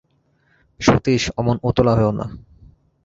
সতীশ, অমন উতলা হোয়ো না।